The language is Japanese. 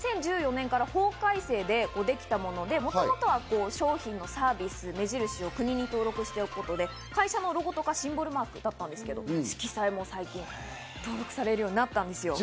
２０１４年から法改正でできたもので、もともとは商品のサービス、目印を国に登録しておくことで会社のロゴとかシンボルマークだったんですけど、色彩も登録されるようになったんです。